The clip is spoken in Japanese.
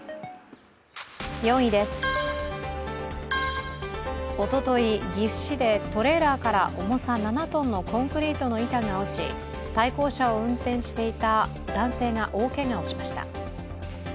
４位です、おととい、岐阜市でトレーラーから重さ７ｔのコンクリートの板が落ち、対向車を運転していた男性が大けがをしました。